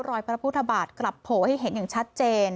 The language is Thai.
พระพุทธบาทกลับโผล่ให้เห็นอย่างชัดเจน